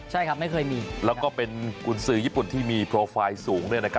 ใช่ครับไม่เคยมีแล้วก็เป็นกุนซืึี้ญี่ปุ่นที่มีโปรไฟล์สูงด้วยนะครับ